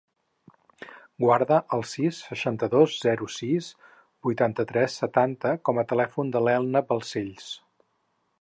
Guarda el sis, seixanta-dos, zero, sis, vuitanta-tres, setanta com a telèfon de l'Elna Balcells.